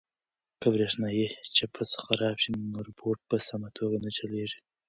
که برېښنايي چپس خراب شي نو روبوټ په سمه توګه نه چلیږي.